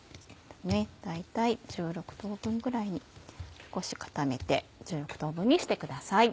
大体１６等分ぐらいに少し固めて１６等分にしてください。